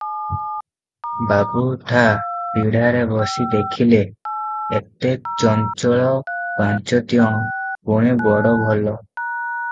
"ବାବୁ ଠା ପିଢାରେ ବସି ଦେଖିଲେ, ଏତେ ଚଞ୍ଚଳ ପାଞ୍ଚତିଅଣ, ପୁଣି ବଡ଼ ଭଲ ।